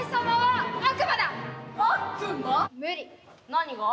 何が？